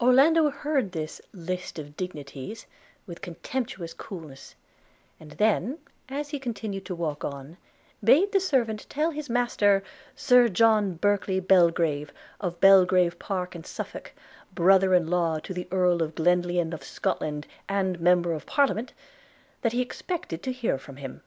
Orlando heard this list of dignities with contemptuous coolness; and then, as he continued to walk on, bade the servant tell his master, Sir John Berkely Belgrave, of Belgrave Park in Suffolk, brother in law to the Earl of Glenlyon of Scotland, and member of parliament, that he expected to hear from him.